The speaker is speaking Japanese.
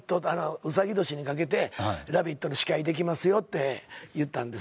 うさぎ年に掛けて『ラヴィット！』の司会できますよって言ったんです。